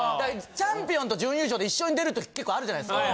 チャンピオンと準優勝で一緒に出る時結構あるじゃないですか。